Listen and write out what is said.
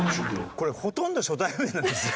これほとんど初対面なんですよ。